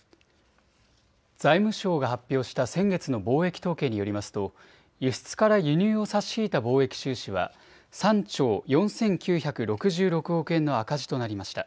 財務省が発表した先月の貿易統計によりますと輸出から輸入を差し引いた貿易収支は３兆４９６６億円の赤字となりました。